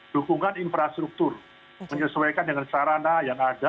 dukungan infrastruktur menyesuaikan dengan sarana yang ada